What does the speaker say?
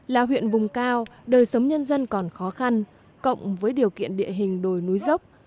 là huyện vùng cao đời sống nhân dân còn khó khăn cộng với điều kiện địa hình đồi núi dốc